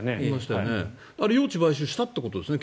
用地を買収したということですよね。